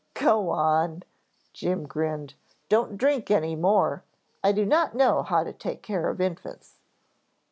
"Go on," Jim grinned. "Don't drink any more. I do not know how to take care of infants."